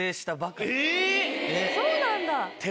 そうなんだ！